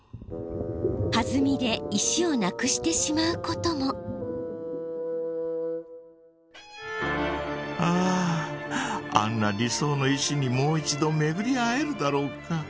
はずみで石をなくしてしまうこともあああんな理想の石にもう一度めぐり会えるだろうか？